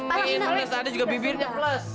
minus ada juga bibirnya plus